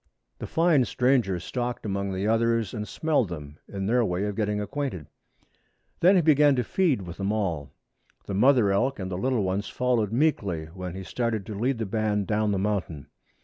The fine stranger stalked among the others and smelled them, in their way of getting acquainted. Then he began to feed with them all. The mother elk and little ones followed meekly when he started to lead the band down the mountain.